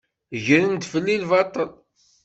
Gren-d fell-i lbaṭel.